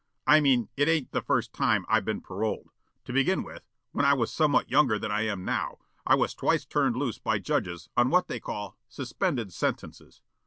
I mean it ain't the first time I've been paroled. To begin with, when I was somewhat younger than I am now, I was twice turned loose by judges on what they call 'suspended sentences.'